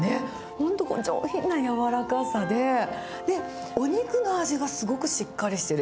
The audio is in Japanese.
本当こう、上品な柔らかさで、お肉の味がすごくしっかりしてる。